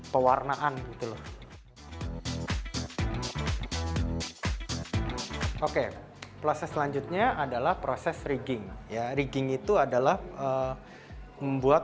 pewarnaan gitu loh oke proses selanjutnya adalah proses rigging ya rigging itu adalah membuat